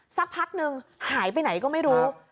สักพักนึงหายไปไหนก็ไม่รู้